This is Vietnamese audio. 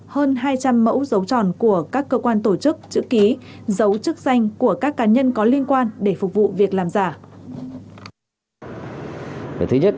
hơn hai trăm linh mẫu dấu tròn của các cơ quan tổ chức chữ ký giấu chức danh của các cá nhân có liên quan để phục vụ việc làm giả